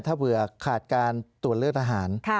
ถ้าเผื่อขาดการตรวจเลือดทหาร